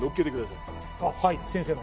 はい先生の。